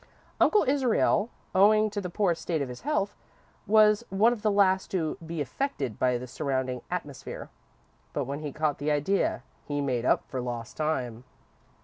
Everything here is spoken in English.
Uncle Israel, owing to the poor state of his health, was one of the last to be affected by the surrounding atmosphere, but when he caught the idea, he made up for lost time.